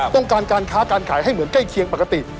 การการค้าการขายให้เหมือนใกล้เคียงปกติ